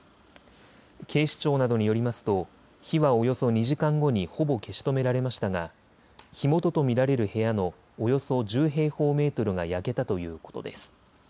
警視庁などによりますと火はおよそ２時間後にほぼ消し止められましたが火元と見られる部屋のおよそ１０平方メートルが焼けたということです。